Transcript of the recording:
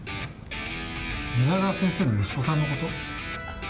皆川先生の息子さんの事？